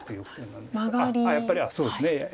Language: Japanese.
やっぱりそうですねＡＩ。